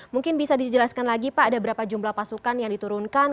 mungkin bisa dijelaskan lagi pak ada berapa jumlah pasukan yang diturunkan